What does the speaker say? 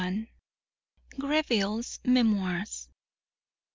GREVILLE'S MEMOIRS.